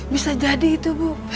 bisa jadi itu bu